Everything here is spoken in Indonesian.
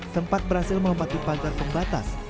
sempat berhasil melompati pagar pembatas